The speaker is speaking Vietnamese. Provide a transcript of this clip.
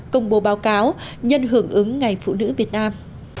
công bố báo cáo nhân hưởng ứng ngày phụ nữ việt nam